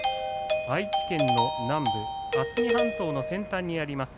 愛知県の南部、渥美半島の先端にあります